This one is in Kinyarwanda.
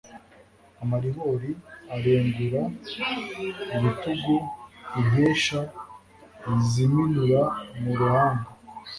Amaribori arengura ibituguInkesha iziminura mu ruhanga